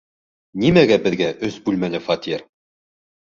Нимәгә беҙгә өс бүлмәле фатир?